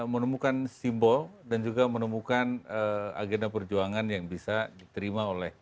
menemukan simbol dan juga menemukan agenda perjuangan yang bisa diterima oleh